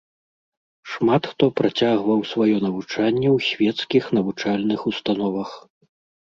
Шмат хто працягваў сваё навучанне ў свецкіх навучальных установах.